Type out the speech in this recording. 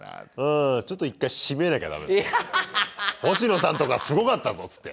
「星野さんとこはすごかったぞ！」つって。